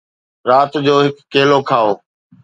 رات جو هڪ کيلو کائو